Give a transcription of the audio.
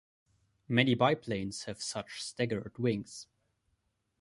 Many biplanes have such staggered wings.